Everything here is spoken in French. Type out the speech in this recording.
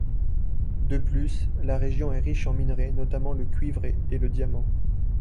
De plus la région est riche en minerai notamment le cuivre et le diamant.